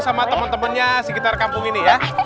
sama temen temennya sekitar kampung ini ya